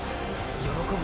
喜ぶ